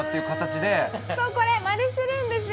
これまねするんですよ。